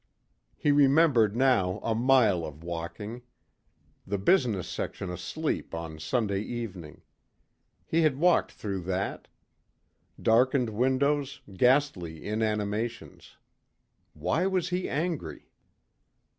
He remembered now a mile of walking. The business section asleep on Sunday evening. He had walked through that. Darkened windows, ghastly inanimations. Why was he angry?